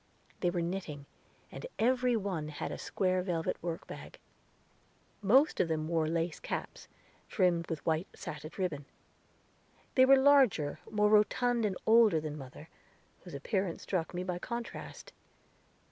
They were knitting, and every one had a square velvet workbag. Most of them wore lace caps, trimmed with white satin ribbon. They were larger, more rotund, and older than mother, whose appearance struck me by contrast.